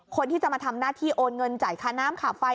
คนที่จะมาทำหน้าที่โอนเงินจ่ายค่าน้ำค่าไฟ